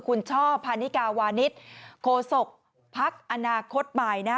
คุณช่อพานิกาวานิสโคศกภักดิ์อนาคตใหม่นะ